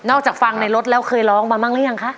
ฟังจากฟังในรถแล้วเคยร้องมาบ้างหรือยังคะ